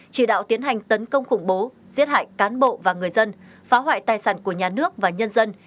chỉ đạo tiến hành tấn công khủng bố giết hại cán bộ và người dân phá hoại tài sản của nhà nước và nhân dân